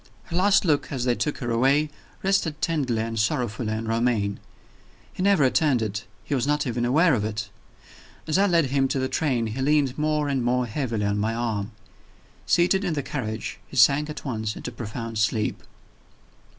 Her last look, as they took her away, rested tenderly and sorrowfully on Romayne. He never returned it he was not even aware of it. As I led him to the train he leaned more and more heavily on my arm. Seated in the carriage, he sank at once into profound sleep.